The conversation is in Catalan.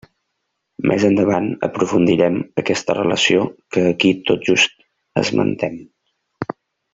Més endavant aprofundirem aquesta relació que aquí tot just esmentem.